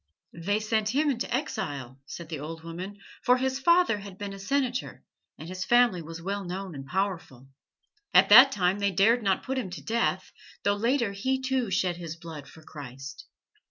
"They sent him into exile," said the old woman, "for his father had been a Senator, and his family was well known and powerful. At that time they dared not put him to death, though later he, too, shed his blood for Christ.